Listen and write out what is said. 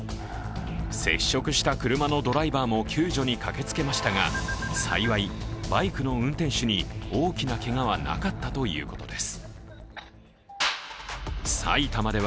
接触した車のドライバーも救助に駆けつけましたが幸い、バイクの運転に大きなけがはなかったということです。